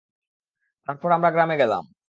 তারপর, আমরা গ্রামে গেলাম।